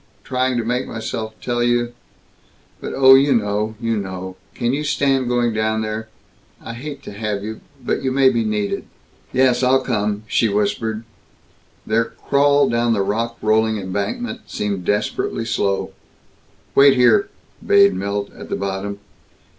Trying to make myself tell you but oh, you know, you know! Can you stand going down there? I hate to have you, but you may be needed." "Yes. I'll come," she whispered. Their crawl down the rock rolling embankment seemed desperately slow. "Wait here," bade Milt, at the bottom.